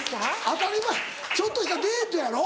当たり前ちょっとしたデートやろ。